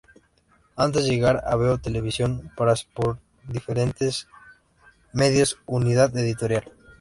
Antes de llegar a Veo Televisión pasa por diferentes medios de Unidad Editorial.